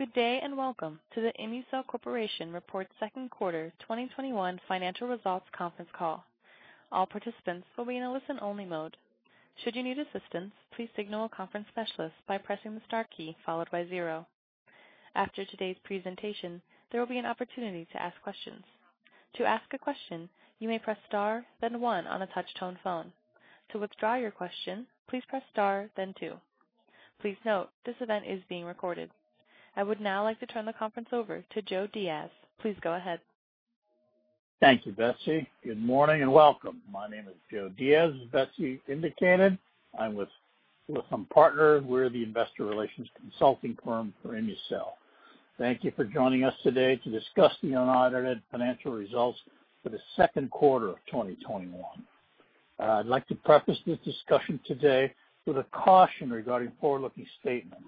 Good day, welcome to the ImmuCell Corporation Reports Second Quarter 2021 Financial Results Conference Call. All participants will be in a listen-only mode. Should you need assistance, please signal a conference specialist by pressing the star key followed by 0. After today's presentation, there will be an opportunity to ask questions. To ask a question, you may press star then 1 on a touch-tone phone. To withdraw your question, please press star then 2. Please note, this event is being recorded. I would now like to turn the conference over to Joe Diaz. Please go ahead. Thank you, Betsy. Good morning and welcome. My name is Joe Diaz. As Betsy indicated, I'm with Lytham Partners. We're the investor relations consulting firm for ImmuCell. Thank you for joining us today to discuss the unaudited financial results for the second quarter of 2021. I'd like to preface this discussion today with a caution regarding forward-looking statements.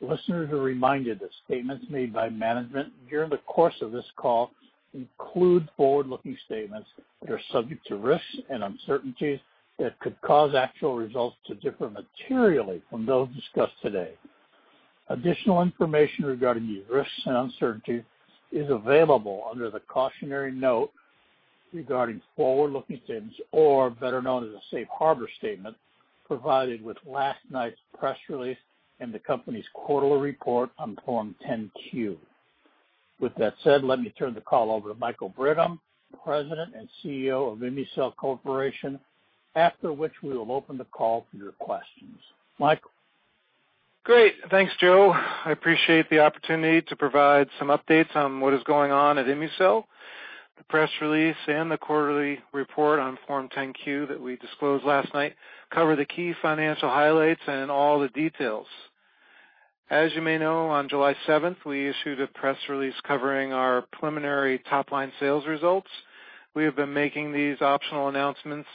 Listeners are reminded that statements made by management during the course of this call include forward-looking statements that are subject to risks and uncertainties that could cause actual results to differ materially from those discussed today. Additional information regarding these risks and uncertainties is available under the cautionary note regarding forward-looking statements, or better known as a safe harbor statement, provided with last night's press release and the company's quarterly report on Form 10-Q. With that said, let me turn the call over to Michael Brigham, President and CEO of ImmuCell Corporation, after which we will open the call for your questions. Michael? Great. Thanks, Joe. I appreciate the opportunity to provide some updates on what is going on at ImmuCell. The press release and the quarterly report on Form 10-Q that we disclosed last night cover the key financial highlights and all the details. As you may know, on July seventh, we issued a press release covering our preliminary top-line sales results. We have been making these optional announcements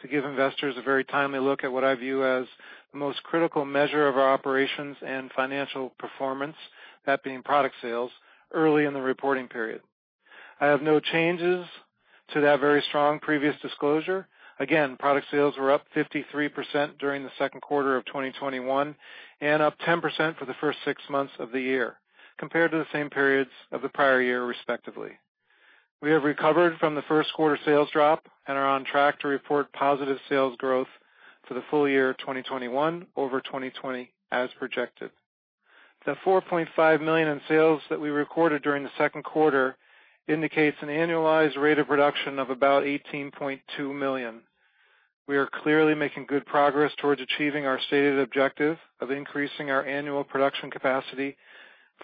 to give investors a very timely look at what I view as the most critical measure of our operations and financial performance, that being product sales early in the reporting period. I have no changes to that very strong previous disclosure. Again, product sales were up 53% during the second quarter of 2021 and up 10% for the first six months of the year compared to the same periods of the prior year, respectively. We have recovered from the first quarter sales drop and are on track to report positive sales growth for the full year 2021 over 2020 as projected. The $4.5 million in sales that we recorded during the second quarter indicates an annualized rate of production of about $18.2 million. We are clearly making good progress towards achieving our stated objective of increasing our annual production capacity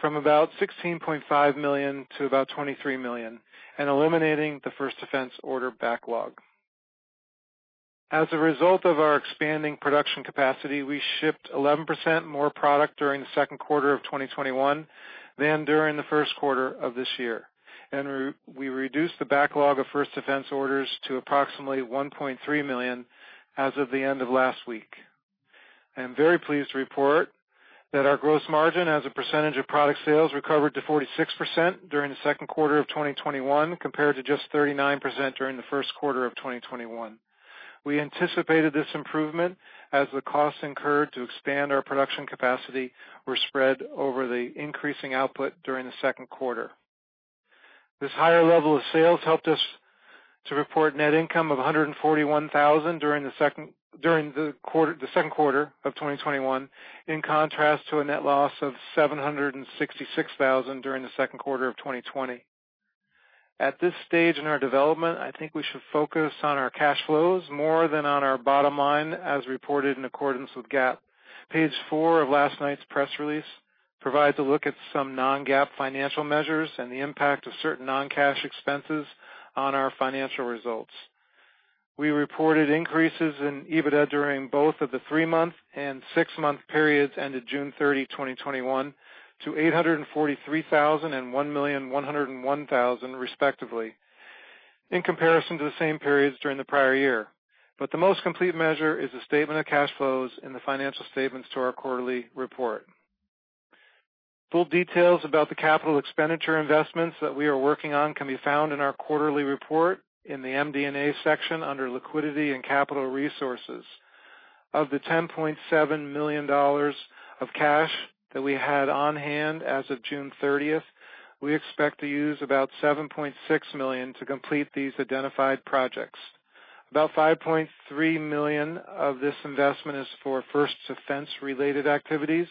from about 16.5 million to about 23 million and eliminating the First Defense order backlog. As a result of our expanding production capacity, we shipped 11% more product during the second quarter of 2021 than during the first quarter of this year. We reduced the backlog of First Defense orders to approximately $1.3 million as of the end of last week. I am very pleased to report that our gross margin as a percentage of product sales recovered to 46% during the second quarter of 2021, compared to just 39% during the first quarter of 2021. We anticipated this improvement as the costs incurred to expand our production capacity were spread over the increasing output during the second quarter. This higher level of sales helped us to report net income of $141,000 during the second quarter of 2021, in contrast to a net loss of $766,000 during the second quarter of 2020. At this stage in our development, I think we should focus on our cash flows more than on our bottom line as reported in accordance with GAAP. Page 4 of last night's press release provides a look at some non-GAAP financial measures and the impact of certain non-cash expenses on our financial results. We reported increases in EBITDA during both of the three-month and six-month periods ended June 30, 2021, to $843,000 and $1,101,000, respectively, in comparison to the same periods during the prior year. The most complete measure is the statement of cash flows in the financial statements to our quarterly report. Full details about the capital expenditure investments that we are working on can be found in our quarterly report in the MD&A section under Liquidity and Capital Resources. Of the $10.7 million of cash that we had on hand as of June 30th, we expect to use about $7.6 million to complete these identified projects. About $5.3 million of this investment is for First Defense-related activities,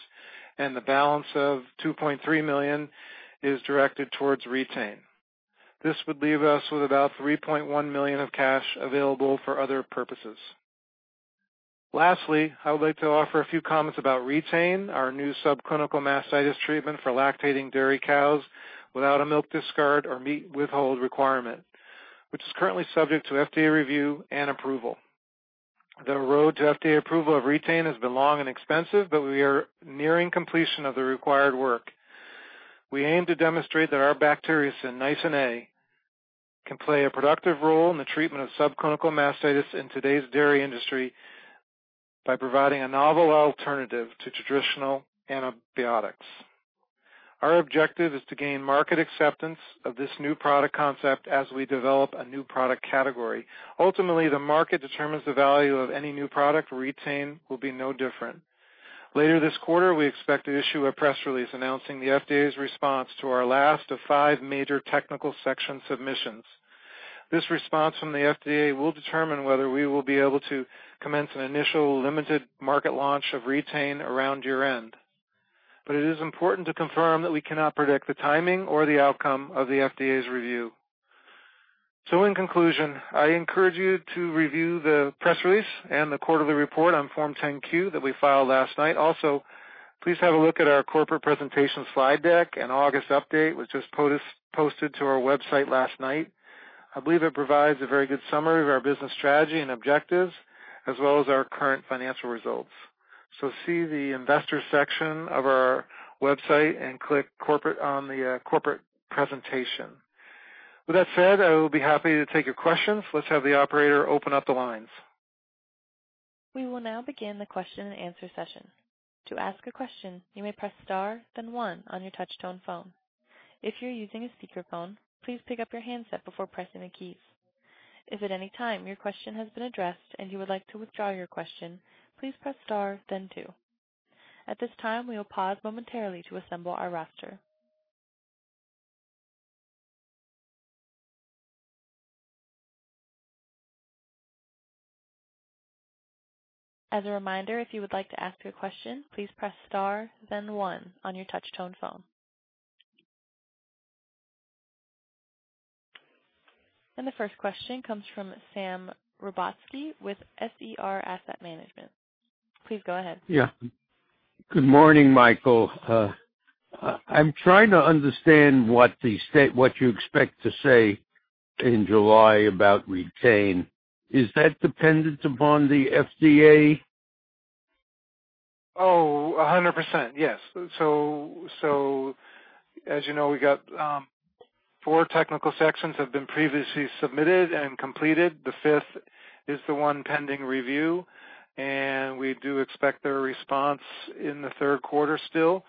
and the balance of $2.3 million is directed towards Re-Tain. This would leave us with about $3.1 million of cash available for other purposes. Lastly, I would like to offer a few comments about Re-Tain, our new subclinical mastitis treatment for lactating dairy cows without a milk discard or meat withhold requirement, which is currently subject to FDA review and approval. The road to FDA approval of Re-Tain has been long and expensive, but we are nearing completion of the required work. We aim to demonstrate that our bacteriocin nisin A can play a productive role in the treatment of subclinical mastitis in today's dairy industry by providing a novel alternative to traditional antibiotics. Our objective is to gain market acceptance of this new product concept as we develop a new product category. Ultimately, the market determines the value of any new product. Re-Tain will be no different. Later this quarter, we expect to issue a press release announcing the FDA's response to our last of 5 major technical section submissions. This response from the FDA will determine whether we will be able to commence an initial limited market launch of Re-Tain around year-end. It is important to confirm that we cannot predict the timing or the outcome of the FDA's review. In conclusion, I encourage you to review the press release and the quarterly report on Form 10-Q that we filed last night. Also, please have a look at our corporate presentation slide deck and August update, which was posted to our website last night. I believe it provides a very good summary of our business strategy and objectives, as well as our current financial results. See the investors section of our website and click on the corporate presentation. With that said, I will be happy to take your questions. Let's have the operator open up the lines. We will now begin the question and answer session. To ask a question, you may press star then one on your touch-tone phone. If you're using a speakerphone, please pick up your handset before pressing the keys. If at any time your question has been addressed and you would like to withdraw your question, please press star then two. At this time, we will pause momentarily to assemble our roster. As a reminder, if you would like to ask a question, please press star then one on your touch-tone phone. The first question comes from Sam Rebotsky with SER Asset Management. Please go ahead. Yeah. Good morning, Michael. I'm trying to understand what you expect to say in July about Re-Tain. Is that dependent upon the FDA? 100%, yes. As you know, we got 4 technical sections have been previously submitted and completed. The fifth is the one pending review, we do expect their response in the third quarter still.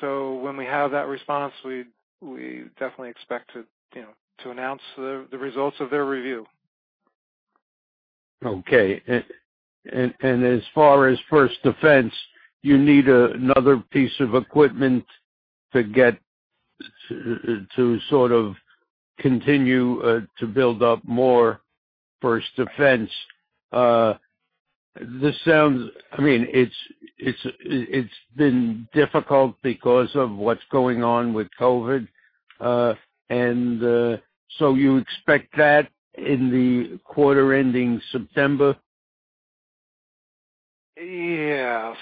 When we have that response, we definitely expect to announce the results of their review. Okay. As far as First Defense, you need another piece of equipment to sort of continue to build up more First Defense. It's been difficult because of what's going on with COVID. You expect that in the quarter ending September? Yeah.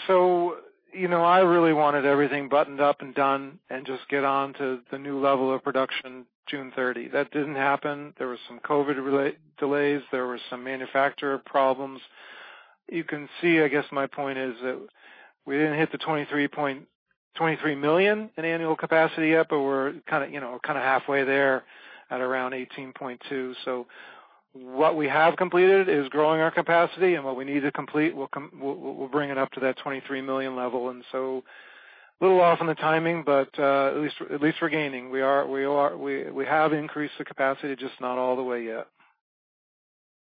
I really wanted everything buttoned up and done and just get on to the new level of production June 30. That didn't happen. There were some COVID delays. There were some manufacturer problems. You can see, I guess my point is that we didn't hit the 23 million in annual capacity yet, but we're kind of halfway there at around 18.2. What we have completed is growing our capacity, and what we need to complete, we'll bring it up to that 23 million level. A little off on the timing, but at least we're gaining. We have increased the capacity, just not all the way yet.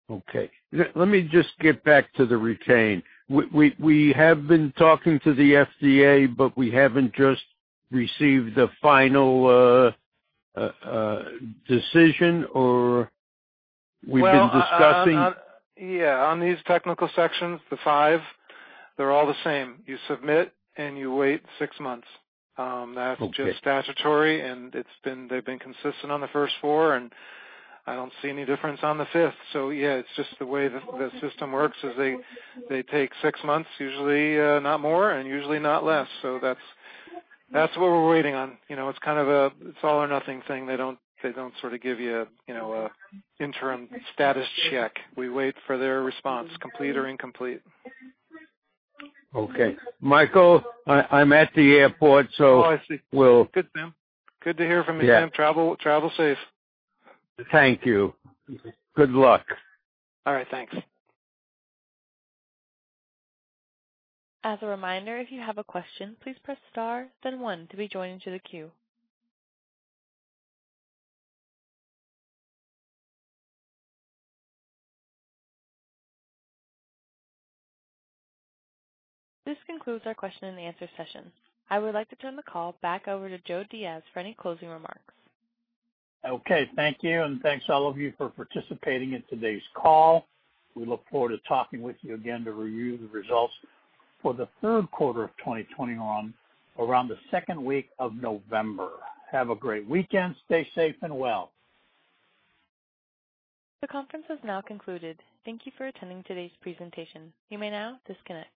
Okay. Let me just get back to the Re-Tain. We have been talking to the FDA, but we haven't just received the final decision. Yeah. On these technical sections, the five, they're all the same. You submit and you wait six months. Okay. That's just statutory. They've been consistent on the first 4. I don't see any difference on the fifth. Yeah, it's just the way the system works is they take 6 months, usually not more and usually not less. That's what we're waiting on. It's kind of an all or nothing thing. They don't sort of give you an interim status check. We wait for their response, complete or incomplete. Okay. Michael, I'm at the airport. Oh, I see. we'll- Good, Sam. Good to hear from you, Sam. Yeah. Travel safe. Thank you. Good luck. All right, thanks. As a reminder, if you have a question, please press star then one to be joined into the queue. This concludes our question and answer session. I would like to turn the call back over to Joe Diaz for any closing remarks. Okay. Thank you. Thanks all of you for participating in today's call. We look forward to talking with you again to review the results for the third quarter of 2021 around the second week of November. Have a great weekend. Stay safe and well. The conference has now concluded. Thank you for attending today's presentation. You may now disconnect.